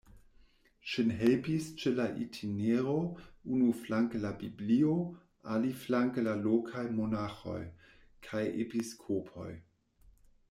Ŝin helpis ĉe la itinero unuflanke la Biblio, aliflanke la lokaj monaĥoj kaj episkopoj.